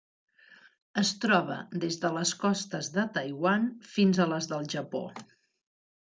Es troba des de les costes de Taiwan fins a les del Japó.